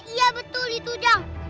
iya betul itu dong